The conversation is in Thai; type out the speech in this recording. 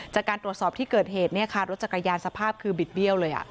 จากการตรวจสอบที่เกิดเหตุรถจักรยานสภาพคือบิดเบี้ยวเลย